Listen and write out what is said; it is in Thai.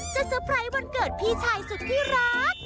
เซอร์ไพรส์วันเกิดพี่ชายสุดที่รัก